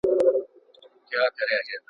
جګړې یوازې تباهي راوړې ده.